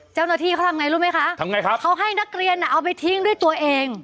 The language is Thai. เจ้าหน้าที่เขาทำไงรู้ไหมคะทำไงครับเขาให้นักเรียนเอาไปทิ้งด้วยตัวเอง